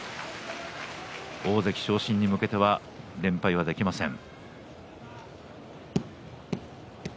大関昇進に向けては連敗はできません。